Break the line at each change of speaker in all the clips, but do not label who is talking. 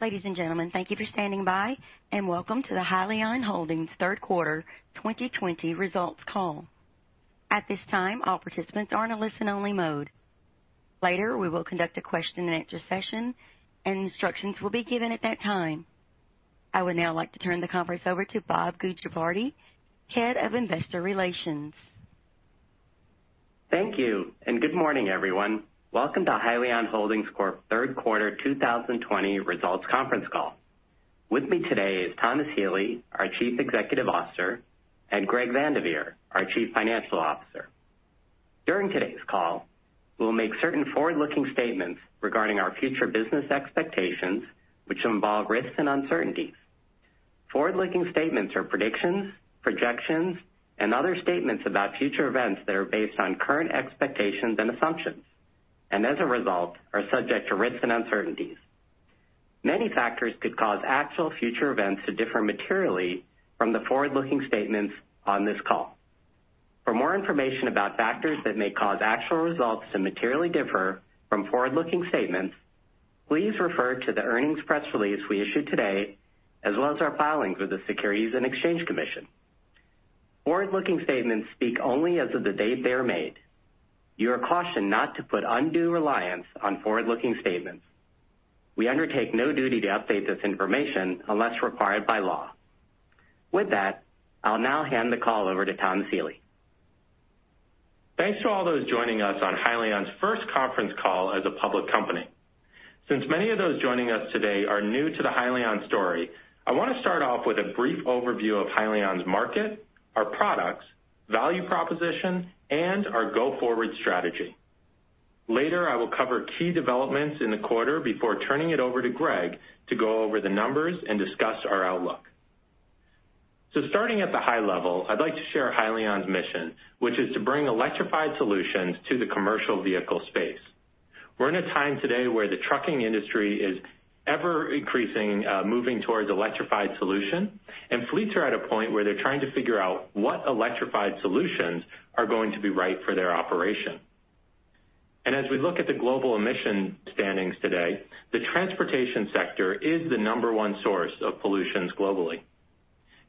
Ladies and gentlemen, thank you for standing by, and welcome to the Hyliion Holdings third quarter 2020 results call. At this time, all participants are in a listen only mode. Later, we will conduct a question and answer session, and instructions will be given at that time. I would now like to turn the conference over to Bob Gujavarty, Head of Investor Relations.
Thank you, and good morning, everyone. Welcome to Hyliion Holdings Corp. third quarter 2020 results conference call. With me today is Thomas Healy, our Chief Executive Officer, and Greg Van de Vere, our Chief Financial Officer. During today's call, we will make certain forward-looking statements regarding our future business expectations, which involve risks and uncertainties. Forward-looking statements are predictions, projections, and other statements about future events that are based on current expectations and assumptions, and as a result, are subject to risks and uncertainties. Many factors could cause actual future events to differ materially from the forward-looking statements on this call. For more information about factors that may cause actual results to materially differ from forward-looking statements, please refer to the earnings press release we issued today, as well as our filings with the Securities and Exchange Commission. Forward-looking statements speak only as of the date they are made. You are cautioned not to put undue reliance on forward-looking statements. We undertake no duty to update this information unless required by law. With that, I'll now hand the call over to Thomas Healy.
Thanks to all those joining us on Hyliion's first conference call as a public company. Since many of those joining us today are new to the Hyliion story, I want to start off with a brief overview of Hyliion's market, our products, value proposition, and our go-forward strategy. Later, I will cover key developments in the quarter before turning it over to Greg to go over the numbers and discuss our outlook. Starting at the high level, I'd like to share Hyliion's mission, which is to bring electrified solutions to the commercial vehicle space. We're in a time today where the trucking industry is ever increasing, moving towards electrified solution, and fleets are at a point where they're trying to figure out what electrified solutions are going to be right for their operation. As we look at the global emission standings today, the transportation sector is the number one source of pollutions globally.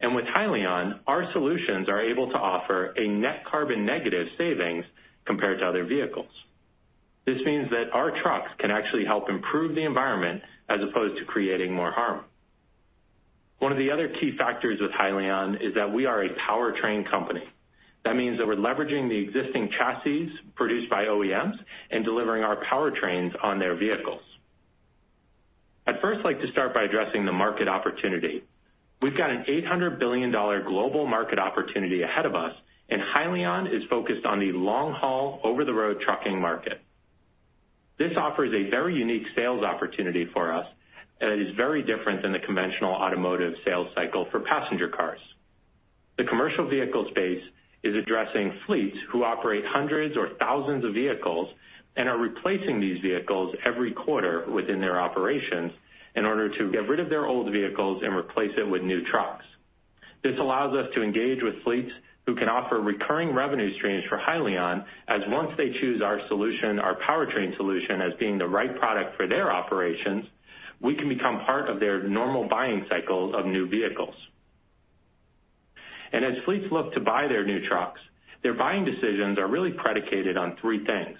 With Hyliion, our solutions are able to offer a net carbon negative savings compared to other vehicles. This means that our trucks can actually help improve the environment as opposed to creating more harm. One of the other key factors with Hyliion is that we are a powertrain company. That means that we're leveraging the existing chassis produced by OEMs and delivering our powertrains on their vehicles. I'd first like to start by addressing the market opportunity. We've got an $800 billion global market opportunity ahead of us, and Hyliion is focused on the long haul over the road trucking market. This offers a very unique sales opportunity for us that is very different than the conventional automotive sales cycle for passenger cars. The commercial vehicle space is addressing fleets who operate hundreds or thousands of vehicles and are replacing these vehicles every quarter within their operations in order to get rid of their old vehicles and replace it with new trucks. This allows us to engage with fleets who can offer recurring revenue streams for Hyliion, as once they choose our solution, our powertrain solution, as being the right product for their operations, we can become part of their normal buying cycle of new vehicles. As fleets look to buy their new trucks, their buying decisions are really predicated on three things,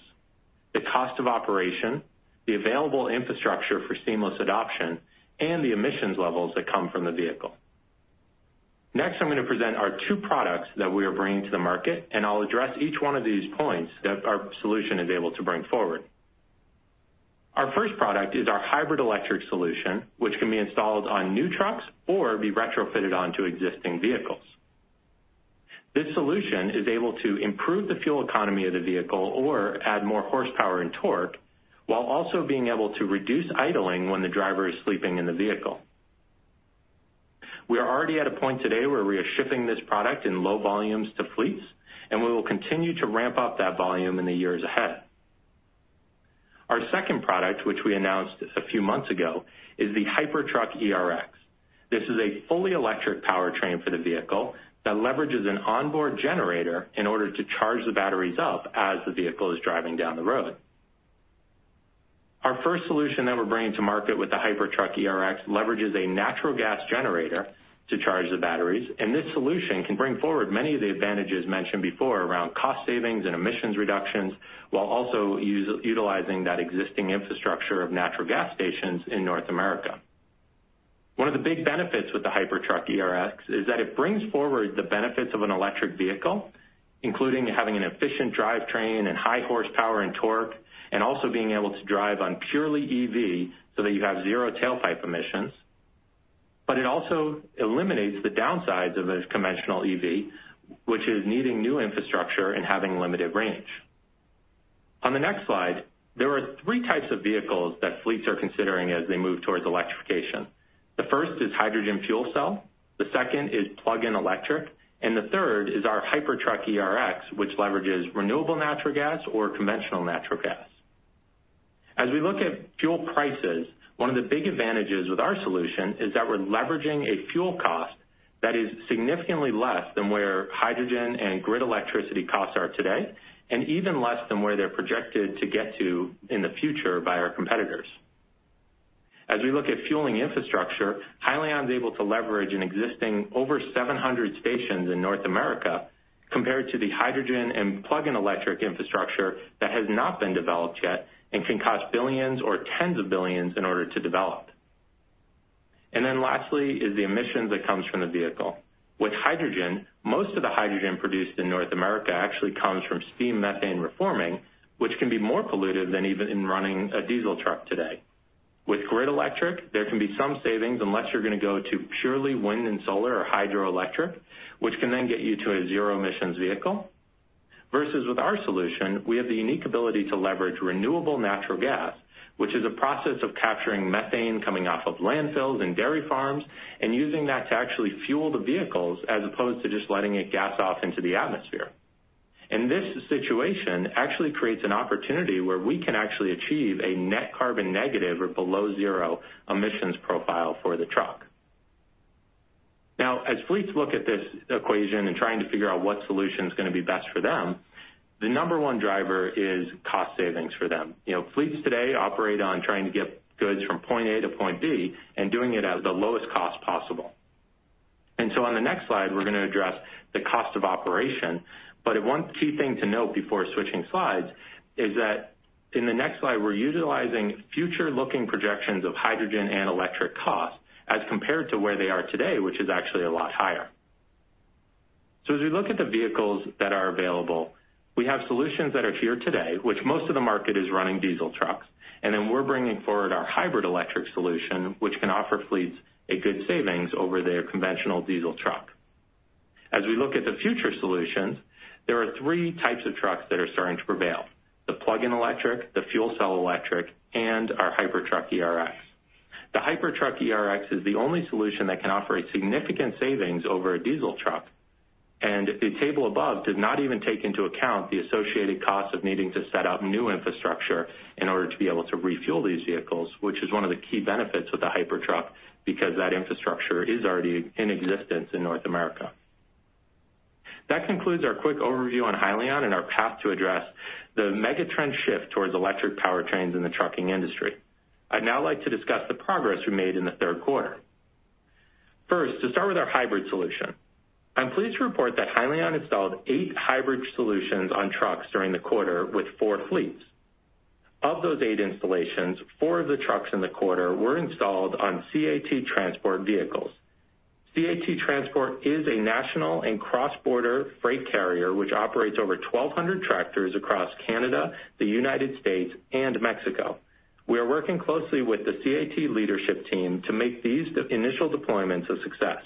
the cost of operation, the available infrastructure for seamless adoption, and the emissions levels that come from the vehicle. Next, I'm going to present our two products that we are bringing to the market, and I'll address each one of these points that our solution is able to bring forward. Our first product is our Hybrid Electric solution, which can be installed on new trucks or be retrofitted onto existing vehicles. This solution is able to improve the fuel economy of the vehicle or add more horsepower and torque, while also being able to reduce idling when the driver is sleeping in the vehicle. We are already at a point today where we are shipping this product in low volumes to fleets, and we will continue to ramp up that volume in the years ahead. Our second product, which we announced a few months ago, is the Hypertruck ERX. This is a fully electric powertrain for the vehicle that leverages an onboard generator in order to charge the batteries up as the vehicle is driving down the road. Our first solution that we're bringing to market with the Hypertruck ERX leverages a natural gas generator to charge the batteries, and this solution can bring forward many of the advantages mentioned before around cost savings and emissions reductions, while also utilizing that existing infrastructure of natural gas stations in North America. One of the big benefits with the Hypertruck ERX is that it brings forward the benefits of an electric vehicle, including having an efficient drivetrain and high horsepower and torque, and also being able to drive on purely EV so that you have 0 tailpipe emissions. It also eliminates the downsides of a conventional EV, which is needing new infrastructure and having limited range. On the next slide, there are three types of vehicles that fleets are considering as they move towards electrification. The first is hydrogen fuel cell, the second is plug-in electric, and the third is our Hypertruck ERX, which leverages renewable natural gas or conventional natural gas. As we look at fuel prices, one of the big advantages with our solution is that we're leveraging a fuel cost that is significantly less than where hydrogen and grid electricity costs are today, and even less than where they're projected to get to in the future by our competitors. As we look at fueling infrastructure, Hyliion is able to leverage an existing over 700 stations in North America compared to the hydrogen and plug-in electric infrastructure that has not been developed yet and can cost billions or tens of billions in order to develop. Lastly is the emissions that comes from the vehicle. With hydrogen, most of the hydrogen produced in North America actually comes from steam methane reforming, which can be more polluted than even in running a diesel truck today. With grid electric, there can be some savings unless you're going to go to purely wind and solar or hydroelectric, which can then get you to a 0 emissions vehicle. Versus with our solution, we have the unique ability to leverage renewable natural gas, which is a process of capturing methane coming off of landfills and dairy farms and using that to actually fuel the vehicles as opposed to just letting it gas off into the atmosphere. This situation actually creates an opportunity where we can actually achieve a net carbon negative or below 0 emissions profile for the truck. Now, as fleets look at this equation and trying to figure out what solution is going to be best for them, the number one driver is cost savings for them. Fleets today operate on trying to get goods from point A to point B and doing it at the lowest cost possible. On the next slide, we're going to address the cost of operation. One key thing to note before switching slides is that in the next slide, we're utilizing future looking projections of hydrogen and electric costs as compared to where they are today, which is actually a lot higher. As we look at the vehicles that are available, we have solutions that are here today, which most of the market is running diesel trucks, and then we're bringing forward our Hybrid Electric solution, which can offer fleets a good savings over their conventional diesel truck. As we look at the future solutions, there are three types of trucks that are starting to prevail, the plug-in electric, the fuel cell electric, and our Hypertruck ERX. The Hypertruck ERX is the only solution that can offer a significant savings over a diesel truck, and the table above does not even take into account the associated cost of needing to set up new infrastructure in order to be able to refuel these vehicles, which is one of the key benefits with the Hypertruck because that infrastructure is already in existence in North America. That concludes our quick overview on Hyliion and our path to address the mega trend shift towards electric powertrains in the trucking industry. I'd now like to discuss the progress we made in the third quarter. First, to start with our hybrid solution. I'm pleased to report that Hyliion installed eight hybrid solutions on trucks during the quarter with four fleets. Of those eight installations, four of the trucks in the quarter were installed on C.A.T. Transport vehicles. C.A.T. Transport is a national and cross-border freight carrier which operates over 1,200 tractors across Canada, the U.S., and Mexico. We are working closely with the C.A.T. leadership team to make these initial deployments a success.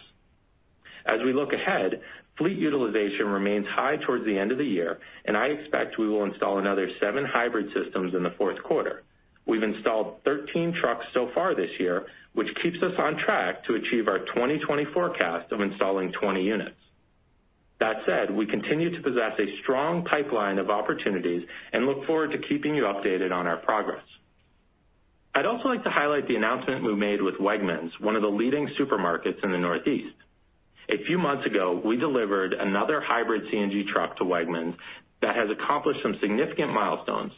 As we look ahead, fleet utilization remains high towards the end of the year, and I expect we will install another seven hybrid systems in the fourth quarter. We've installed 13 trucks so far this year, which keeps us on track to achieve our 2020 forecast of installing 20 units. That said, we continue to possess a strong pipeline of opportunities and look forward to keeping you updated on our progress. I'd also like to highlight the announcement we made with Wegmans, one of the leading supermarkets in the Northeast. A few months ago, we delivered another hybrid CNG truck to Wegmans that has accomplished some significant milestones.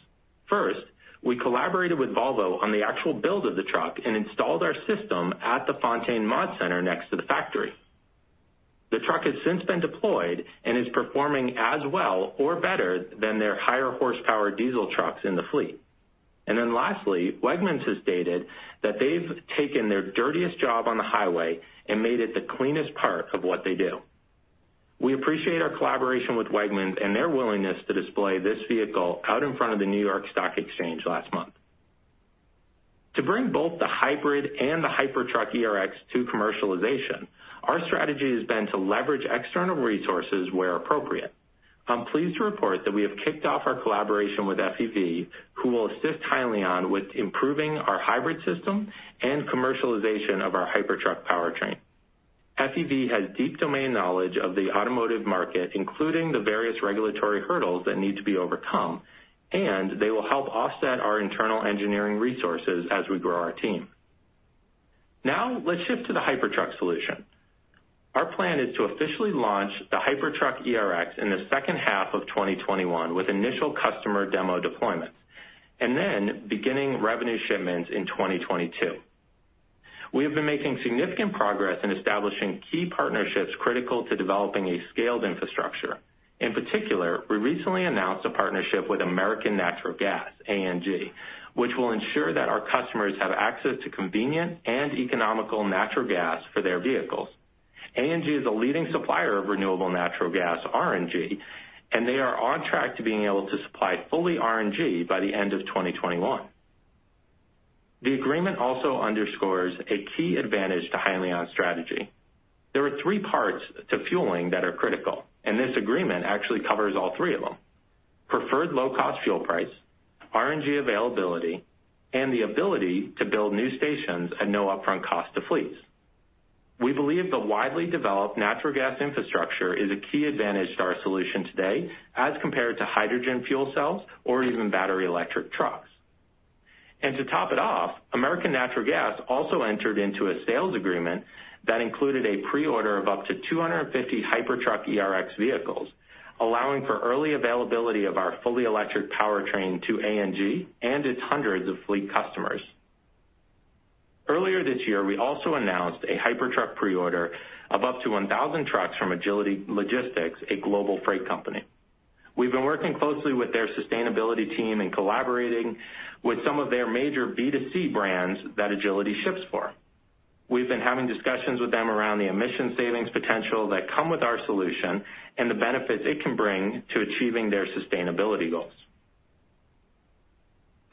First, we collaborated with Volvo on the actual build of the truck and installed our system at the Fontaine Mod Center next to the factory. The truck has since been deployed and is performing as well or better than their higher horsepower diesel trucks in the fleet. Lastly, Wegmans has stated that they've taken their dirtiest job on the highway and made it the cleanest part of what they do. We appreciate our collaboration with Wegmans and their willingness to display this vehicle out in front of the New York Stock Exchange last month. To bring both the Hybrid and the Hypertruck ERX to commercialization, our strategy has been to leverage external resources where appropriate. I'm pleased to report that we have kicked off our collaboration with FEV, who will assist Hyliion with improving our hybrid system and commercialization of our Hypertruck powertrain. FEV has deep domain knowledge of the automotive market, including the various regulatory hurdles that need to be overcome, and they will help offset our internal engineering resources as we grow our team. Let's shift to the Hypertruck solution. Our plan is to officially launch the Hypertruck ERX in the second half of 2021 with initial customer demo deployments and then beginning revenue shipments in 2022. We have been making significant progress in establishing key partnerships critical to developing a scaled infrastructure. In particular, we recently announced a partnership with American Natural Gas, ANG, which will ensure that our customers have access to convenient and economical natural gas for their vehicles. ANG is a leading supplier of renewable natural gas, RNG, and they are on track to being able to supply fully RNG by the end of 2021. The agreement also underscores a key advantage to Hyliion's strategy. There are three parts to fueling that are critical, and this agreement actually covers all three of them. Preferred low cost fuel price, RNG availability, and the ability to build new stations at no upfront cost to fleets. We believe the widely developed natural gas infrastructure is a key advantage to our solution today as compared to hydrogen fuel cells or even battery electric trucks. To top it off, American Natural Gas also entered into a sales agreement that included a pre-order of up to 250 Hypertruck ERX vehicles, allowing for early availability of our fully electric powertrain to ANG and its hundreds of fleet customers. Earlier this year, we also announced a Hypertruck pre-order of up to 1,000 trucks from Agility Logistics, a global freight company. We've been working closely with their sustainability team and collaborating with some of their major B2C brands that Agility ships for. We've been having discussions with them around the emission savings potential that come with our solution and the benefits it can bring to achieving their sustainability goals.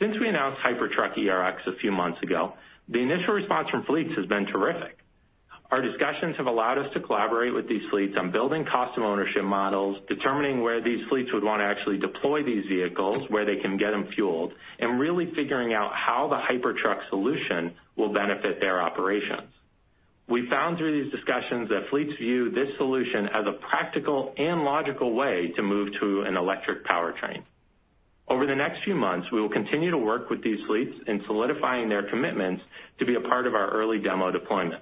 Since we announced Hypertruck ERX a few months ago, the initial response from fleets has been terrific. Our discussions have allowed us to collaborate with these fleets on building custom ownership models, determining where these fleets would want to actually deploy these vehicles, where they can get them fueled, and really figuring out how the Hypertruck solution will benefit their operations. We found through these discussions that fleets view this solution as a practical and logical way to move to an electric powertrain. Over the next few months, we will continue to work with these fleets in solidifying their commitments to be a part of our early demo deployments.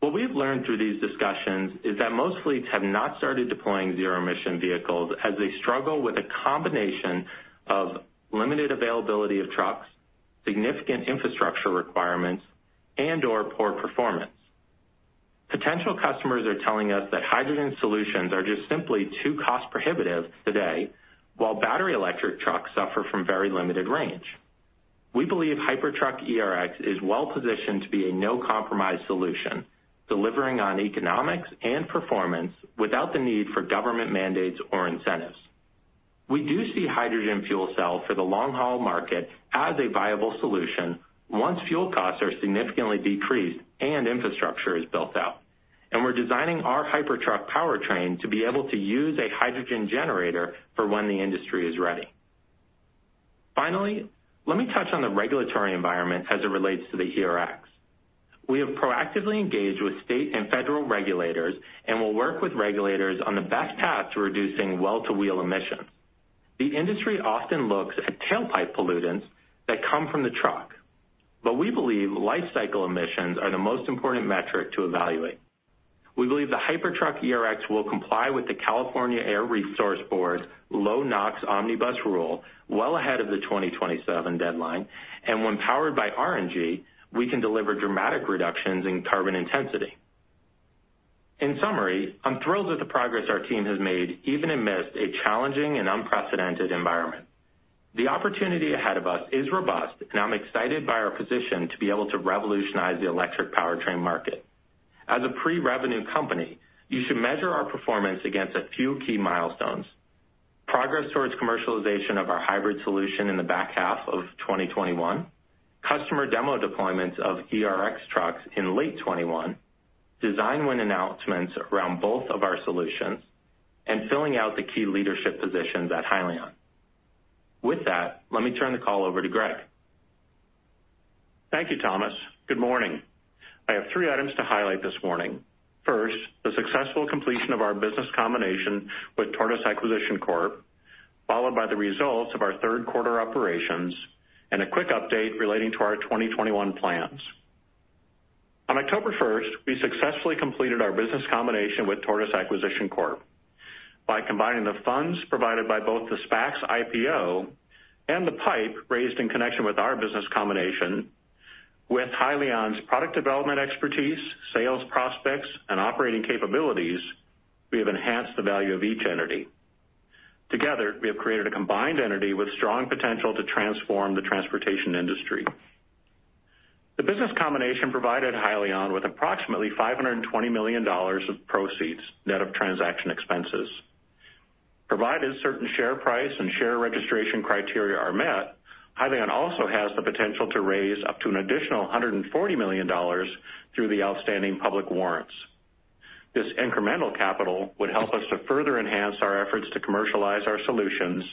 What we've learned through these discussions is that most fleets have not started deploying 0 emission vehicles as they struggle with a combination of limited availability of trucks, significant infrastructure requirements, and/or poor performance. Potential customers are telling us that hydrogen solutions are just simply too cost-prohibitive today, while battery electric trucks suffer from very limited range. We believe Hypertruck ERX is well positioned to be a no-compromise solution, delivering on economics and performance without the need for government mandates or incentives. We do see hydrogen fuel cell for the long-haul market as a viable solution once fuel costs are significantly decreased and infrastructure is built out, and we're designing our Hypertruck powertrain to be able to use a hydrogen generator for when the industry is ready. Finally, let me touch on the regulatory environment as it relates to the ERX. We have proactively engaged with state and federal regulators and will work with regulators on the best path to reducing well-to-wheel emissions. The industry often looks at tailpipe pollutants that come from the truck, but we believe lifecycle emissions are the most important metric to evaluate. We believe the Hypertruck ERX will comply with the California Air Resources Board Low NOx Omnibus Rule well ahead of the 2027 deadline, and when powered by RNG, we can deliver dramatic reductions in carbon intensity. In summary, I'm thrilled with the progress our team has made even amidst a challenging and unprecedented environment. The opportunity ahead of us is robust, and I'm excited by our position to be able to revolutionize the electric powertrain market. As a pre-revenue company, you should measure our performance against a few key milestones, progress towards commercialization of our hybrid solution in the back half of 2021, customer demo deployments of ERX trucks in late 2021, design win announcements around both of our solutions, and filling out the key leadership positions at Hyliion. With that, let me turn the call over to Greg.
Thank you, Thomas. Good morning. I have three items to highlight this morning. First, the successful completion of our business combination with Tortoise Acquisition Corp., followed by the results of our third quarter operations and a quick update relating to our 2021 plans. On October 1st, we successfully completed our business combination with Tortoise Acquisition Corp. By combining the funds provided by both the SPAC's IPO and the PIPE raised in connection with our business combination with Hyliion's product development expertise, sales prospects, and operating capabilities, we have enhanced the value of each entity. Together, we have created a combined entity with strong potential to transform the transportation industry. The business combination provided Hyliion with approximately $520 million of proceeds, net of transaction expenses. Provided certain share price and share registration criteria are met, Hyliion also has the potential to raise up to an additional $140 million through the outstanding public warrants. This incremental capital would help us to further enhance our efforts to commercialize our solutions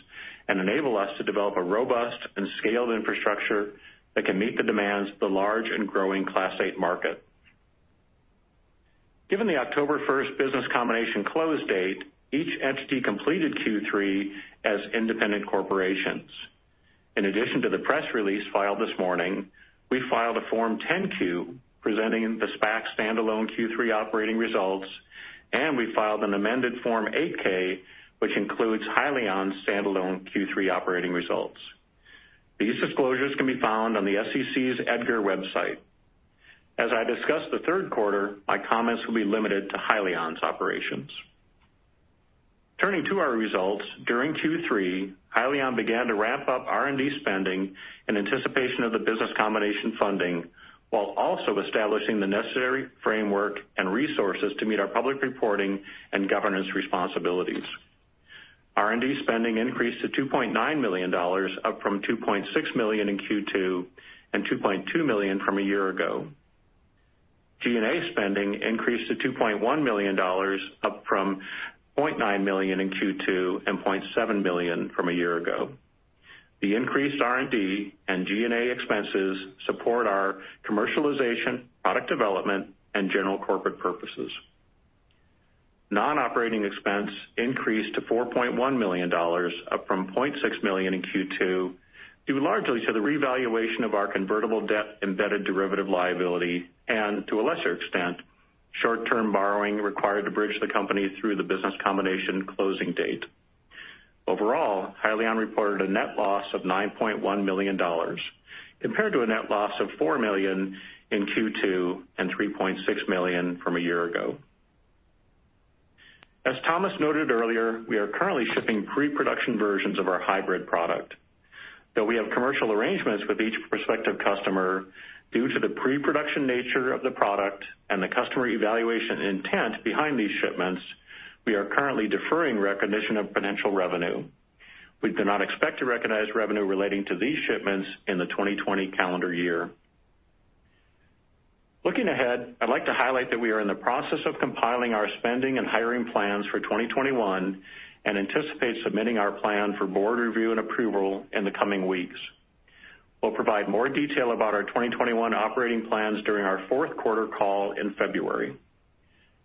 and enable us to develop a robust and scaled infrastructure that can meet the demands of the large and growing Class 8 market. Given the October 1st business combination close date, each entity completed Q3 as independent corporations. In addition to the press release filed this morning, we filed a Form 10-Q presenting the SPAC standalone Q3 operating results, and we filed an amended Form 8-K, which includes Hyliion's standalone Q3 operating results. These disclosures can be found on the SEC's EDGAR website. As I discuss the third quarter, my comments will be limited to Hyliion's operations. Turning to our results, during Q3, Hyliion began to ramp up R&D spending in anticipation of the business combination funding, while also establishing the necessary framework and resources to meet our public reporting and governance responsibilities. R&D spending increased to $2.9 million, up from $2.6 million in Q2 and $2.2 million from a year ago. G&A spending increased to $2.1 million, up from $0.9 million in Q2 and $0.7 million from a year ago. The increased R&D and G&A expenses support our commercialization, product development, and general corporate purposes. Non-operating expense increased to $4.1 million, up from $0.6 million in Q2, due largely to the revaluation of our convertible debt embedded derivative liability, and to a lesser extent, short-term borrowing required to bridge the company through the business combination closing date. Overall, Hyliion reported a net loss of $9.1 million, compared to a net loss of $4 million in Q2, and $3.6 million from a year ago. As Thomas noted earlier, we are currently shipping pre-production versions of our hybrid product. Though we have commercial arrangements with each prospective customer, due to the pre-production nature of the product and the customer evaluation intent behind these shipments, we are currently deferring recognition of potential revenue. We do not expect to recognize revenue relating to these shipments in the 2020 calendar year. Looking ahead, I'd like to highlight that we are in the process of compiling our spending and hiring plans for 2021, and anticipate submitting our plan for board review and approval in the coming weeks. We'll provide more detail about our 2021 operating plans during our fourth quarter call in February.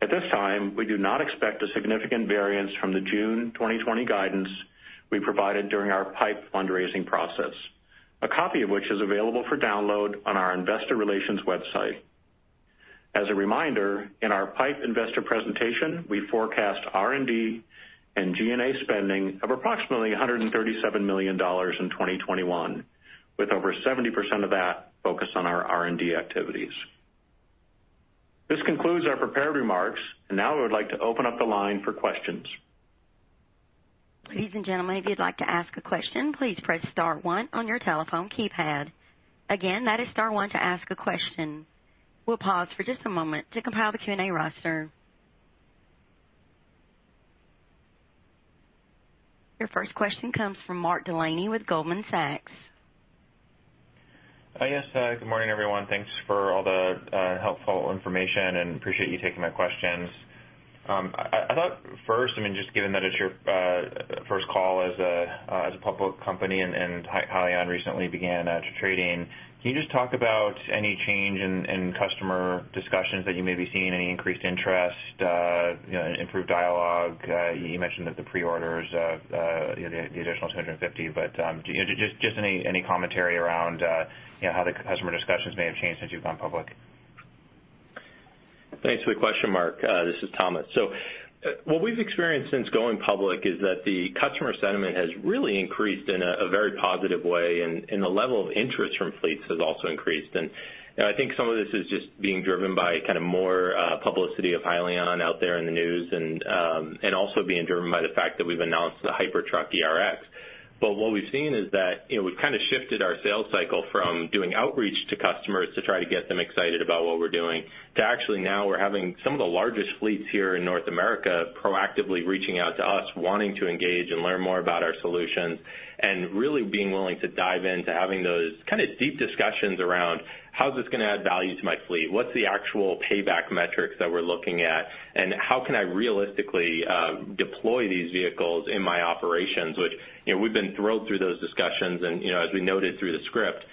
At this time, we do not expect a significant variance from the June 2020 guidance we provided during our PIPE fundraising process, a copy of which is available for download on our investor relations website. As a reminder, in our PIPE investor presentation, we forecast R&D and G&A spending of approximately $137 million in 2021, with over 70% of that focused on our R&D activities. This concludes our prepared remarks. Now I would like to open up the line for questions.
Ladies and gentlemen, if you'd like to ask a question, please press star one on your telephone keypad. Again, that is star one to ask a question. We'll pause for just a moment to compile the Q&A roster. Your first question comes from Mark Delaney with Goldman Sachs.
Yes. Good morning, everyone. Thanks for all the helpful information. Appreciate you taking my questions. I thought first, just given that it's your first call as a public company. Hyliion recently began trading, can you just talk about any change in customer discussions that you may be seeing, any increased interest, improved dialogue? You mentioned the pre-orders, the additional 250. Just any commentary around how the customer discussions may have changed since you've gone public.
Thanks for the question, Mark. This is Thomas. What we've experienced since going public is that the customer sentiment has really increased in a very positive way, and the level of interest from fleets has also increased. I think some of this is just being driven by more publicity of Hyliion out there in the news, and also being driven by the fact that we've announced the Hypertruck ERX. What we've seen is that we've shifted our sales cycle from doing outreach to customers to try to get them excited about what we're doing, to actually now we're having some of the largest fleets here in North America proactively reaching out to us, wanting to engage and learn more about our solutions, and really being willing to dive in to having those deep discussions around how is this going to add value to my fleet? What's the actual payback metrics that we're looking at, and how can I realistically deploy these vehicles in my operations? Which we've been thrilled through those discussions and as we noted through the script,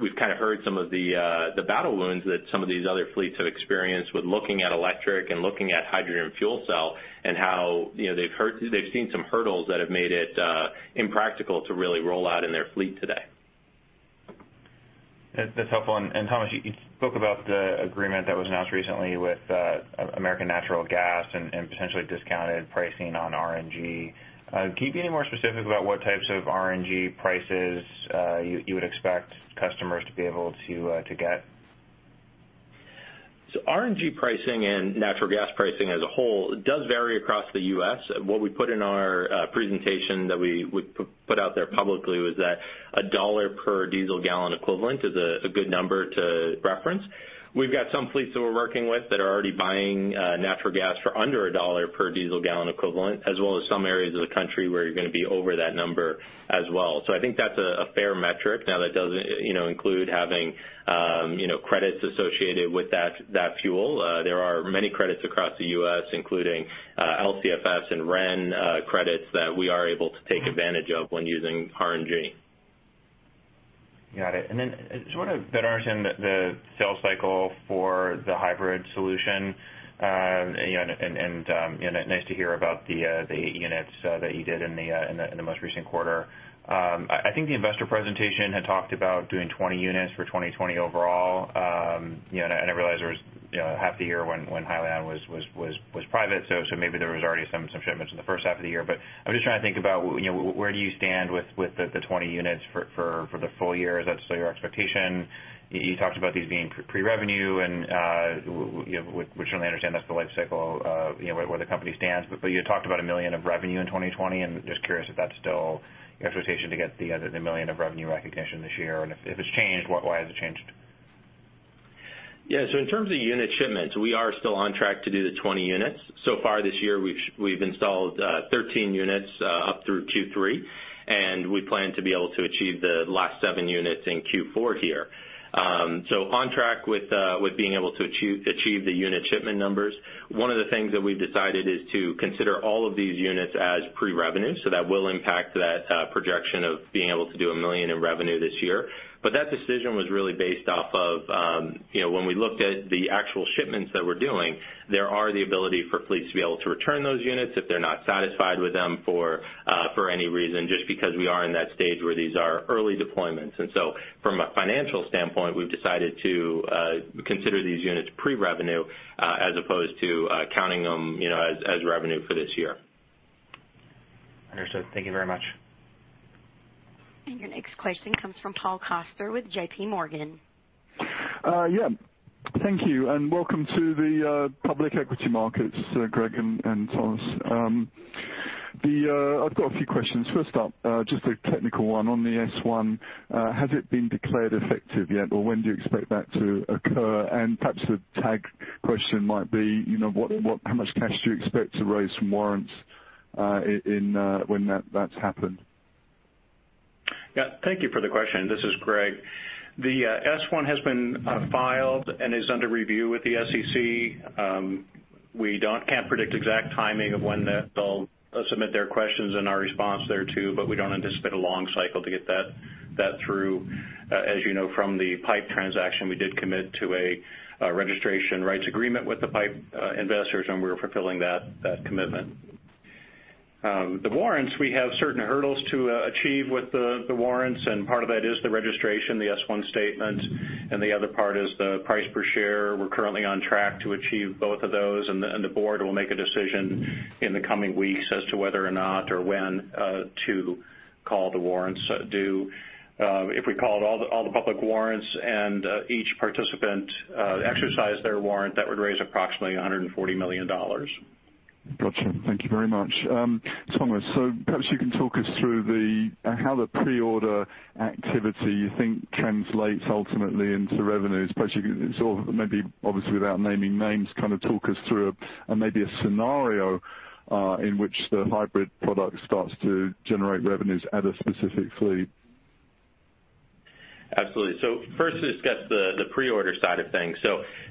we've heard some of the battle wounds that some of these other fleets have experienced with looking at electric and looking at hydrogen fuel cell, and how they've seen some hurdles that have made it impractical to really roll out in their fleet today.
That's helpful. Thomas, you spoke about the agreement that was announced recently with American Natural Gas and potentially discounted pricing on RNG. Can you be any more specific about what types of RNG prices you would expect customers to be able to get?
RNG pricing and natural gas pricing as a whole does vary across the U.S. What we put in our presentation that we put out there publicly was that $1 per diesel gallon equivalent is a good number to reference. We've got some fleets that we're working with that are already buying natural gas for under $1 per diesel gallon equivalent, as well as some areas of the country where you're going to be over that number as well. I think that's a fair metric. Now, that doesn't include having credits associated with that fuel. There are many credits across the U.S., including LCFS and RIN credits that we are able to take advantage of when using RNG.
Got it. Then to better understand the sales cycle for the hybrid solution, nice to hear about the eight units that you did in the most recent quarter. I think the investor presentation had talked about doing 20 units for 2020 overall. I realize there was half the year when Hyliion was private, so maybe there was already some shipments in the first half of the year, but I'm just trying to think about where do you stand with the 20 units for the full year? Is that still your expectation? You talked about these being pre-revenue we certainly understand that's the life cycle of where the company stands, you had talked about $1 million of revenue in 2020, just curious if that's still your expectation to get the $1 million of revenue recognition this year. If it's changed, why has it changed?
Yeah. In terms of unit shipments, we are still on track to do the 20 units. Far this year, we've installed 13 units up through Q3, and we plan to be able to achieve the last seven units in Q4 here. One of the things that we've decided is to consider all of these units as pre-revenue, so that will impact that projection of being able to do a million in revenue this year. That decision was really based off of when we looked at the actual shipments that we're doing, there are the ability for fleets to be able to return those units if they're not satisfied with them for any reason, just because we are in that stage where these are early deployments. From a financial standpoint, we've decided to consider these units pre-revenue as opposed to counting them as revenue for this year.
Understood. Thank you very much.
Your next question comes from Paul Coster with JPMorgan.
Thank you and welcome to the public equity markets, Greg and Thomas. I've got a few questions. First up, just a technical one on the S-1. Has it been declared effective yet, or when do you expect that to occur? Perhaps the tag question might be how much cash do you expect to raise from warrants when that's happened?
Thank you for the question. This is Greg. The S-1 has been filed and is under review with the SEC. We can't predict exact timing of when they'll submit their questions and our response thereto, but we don't anticipate a long cycle to get that through. As you know from the PIPE transaction, we did commit to a registration rights agreement with the PIPE investors. We're fulfilling that commitment. The warrants, we have certain hurdles to achieve with the warrants. Part of that is the registration, the S-1 statement, and the other part is the price per share. We're currently on track to achieve both of those. The board will make a decision in the coming weeks as to whether or not or when to call the warrants due. If we called all the public warrants and each participant exercised their warrant, that would raise approximately $140 million.
Got you. Thank you very much. Thomas, perhaps you can talk us through how the pre-order activity you think translates ultimately into revenues. Perhaps you can, maybe obviously without naming names, talk us through maybe a scenario in which the Hybrid product starts to generate revenues at a specific fleet.
Absolutely. First to discuss the pre-order side of things.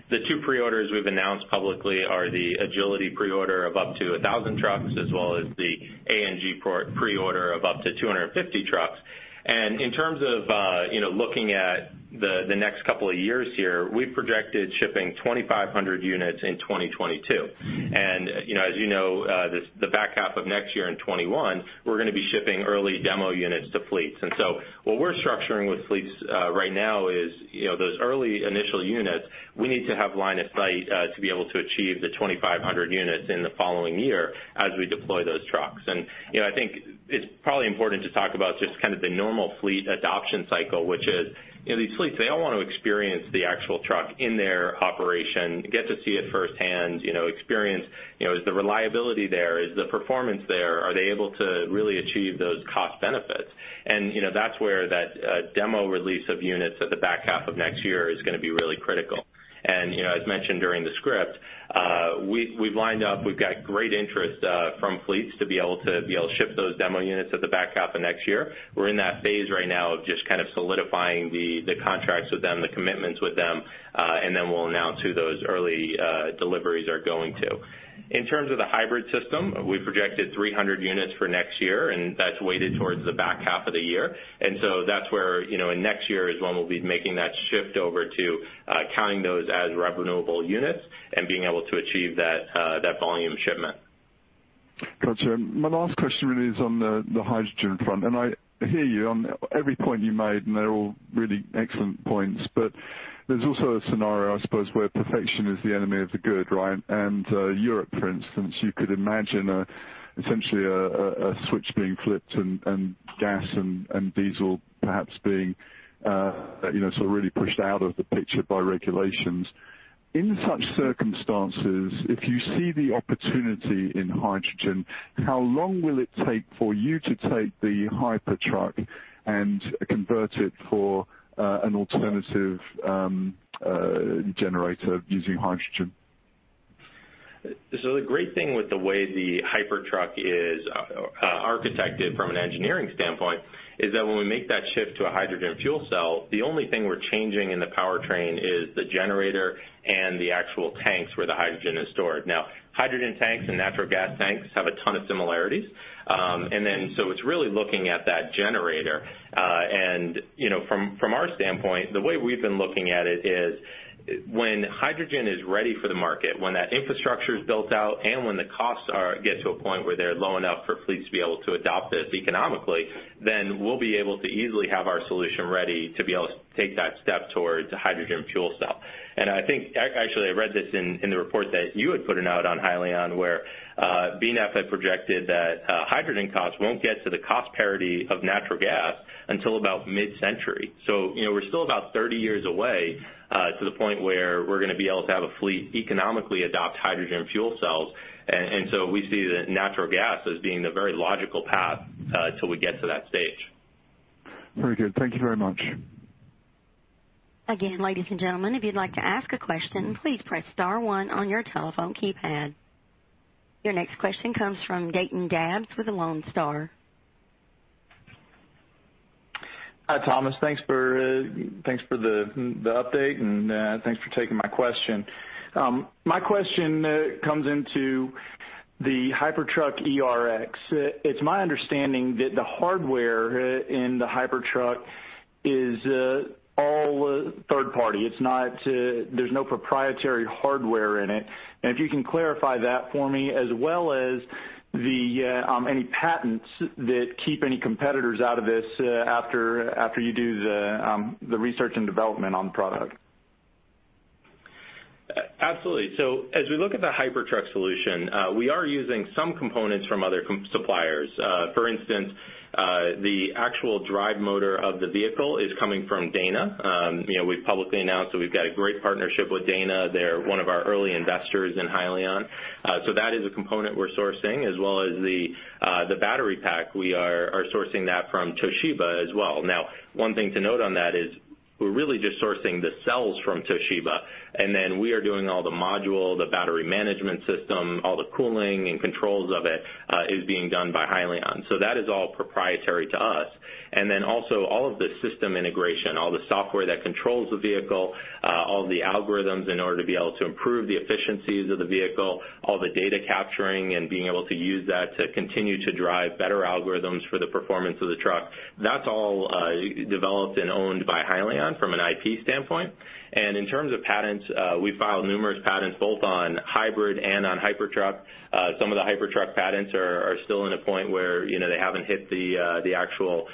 The two pre-orders we've announced publicly are the Agility pre-order of up to 1,000 trucks, as well as the ANG pre-order of up to 250 trucks. In terms of looking at the next couple of years here, we've projected shipping 2,500 units in 2022. As you know, the back half of next year in 2021, we're going to be shipping early demo units to fleets. What we're structuring with fleets right now is those early initial units, we need to have line of sight to be able to achieve the 2,500 units in the following year as we deploy those trucks. I think it's probably important to talk about just the normal fleet adoption cycle, which is these fleets, they all want to experience the actual truck in their operation, get to see it firsthand, experience is the reliability there, is the performance there, are they able to really achieve those cost benefits? That's where that demo release of units at the back half of next year is going to be really critical. As mentioned during the script, we've lined up, we've got great interest from fleets to be able to ship those demo units at the back half of next year. We're in that phase right now of just solidifying the contracts with them, the commitments with them, and then we'll announce who those early deliveries are going to. In terms of the hybrid system, we projected 300 units for next year, and that's weighted towards the back half of the year. That's where in next year is when we'll be making that shift over to counting those as billable units and being able to achieve that volume shipment.
Got you. My last question really is on the hydrogen front, and I hear you on every point you made, and they're all really excellent points. There's also a scenario, I suppose, where perfection is the enemy of the good, right? Europe, for instance, you could imagine essentially a switch being flipped and gas and diesel perhaps being really pushed out of the picture by regulations. In such circumstances, if you see the opportunity in hydrogen, how long will it take for you to take the Hypertruck and convert it for an alternative generator using hydrogen?
The great thing with the way the Hypertruck is architected from an engineering standpoint is that when we make that shift to a hydrogen fuel cell, the only thing we're changing in the powertrain is the generator and the actual tanks where the hydrogen is stored. Hydrogen tanks and natural gas tanks have a ton of similarities. It's really looking at that generator. From our standpoint, the way we've been looking at it is when hydrogen is ready for the market, when that infrastructure is built out and when the costs get to a point where they're low enough for fleets to be able to adopt this economically, then we'll be able to easily have our solution ready to be able to take that step towards a hydrogen fuel cell. I think, actually, I read this in the report that you had put out on Hyliion, where BNEF had projected that hydrogen costs won't get to the cost parity of natural gas until about mid-century. We're still about 30 years away to the point where we're going to be able to have a fleet economically adopt hydrogen fuel cells. We see the natural gas as being the very logical path till we get to that stage.
Very good. Thank you very much.
Again, ladies and gentlemen, if you'd like to ask a question, please press star one on your telephone keypad. Your next question comes from Dayton Dabbs with Lone Star.
Hi, Thomas. Thanks for the update, thanks for taking my question. My question comes into the Hypertruck ERX. It's my understanding that the hardware in the Hypertruck is all third party. There's no proprietary hardware in it. If you can clarify that for me as well as any patents that keep any competitors out of this after you do the research and development on the product.
Absolutely. As we look at the Hypertruck solution, we are using some components from other suppliers. For instance, the actual drive motor of the vehicle is coming from Dana. We've publicly announced that we've got a great partnership with Dana. They're one of our early investors in Hyliion. That is a component we're sourcing as well as the battery pack. We are sourcing that from Toshiba as well. One thing to note on that is we're really just sourcing the cells from Toshiba, and then we are doing all the module, the battery management system, all the cooling and controls of it is being done by Hyliion. That is all proprietary to us. Also all of the system integration, all the software that controls the vehicle, all the algorithms in order to be able to improve the efficiencies of the vehicle, all the data capturing and being able to use that to continue to drive better algorithms for the performance of the truck. That's all developed and owned by Hyliion from an IP standpoint. In terms of patents, we filed numerous patents both on hybrid and on Hypertruck. Some of the Hypertruck patents are still in a point where they haven't hit the actual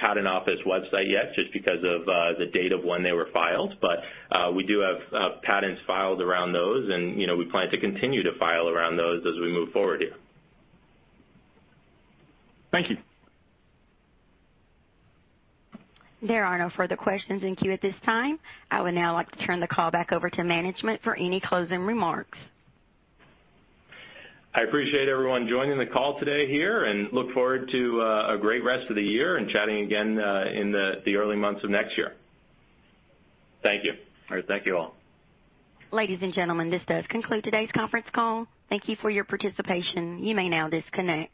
patent office website yet, just because of the date of when they were filed. We do have patents filed around those, and we plan to continue to file around those as we move forward here.
Thank you.
There are no further questions in queue at this time. I would now like to turn the call back over to management for any closing remarks.
I appreciate everyone joining the call today here and look forward to a great rest of the year and chatting again in the early months of next year. Thank you.
All right. Thank you all.
Ladies and gentlemen, this does conclude today's conference call. Thank you for your participation. You may now disconnect.